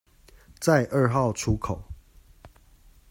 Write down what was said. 在二號出口